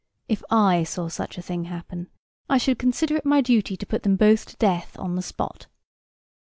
If I saw such a thing happen, I should consider it my duty to put them both to death upon the spot."